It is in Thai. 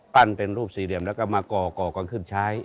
เป็นรูปสี่เหลี่ยมแล้วก็มาก่อก่อนขึ้นใช้